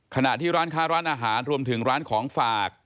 ขณะที่ร้านค้าร้านอาหารรวมถึงร้านของฝาก